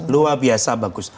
luar biasa bagus